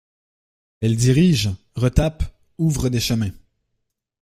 Elle dirige, retape, ouvre des chemins.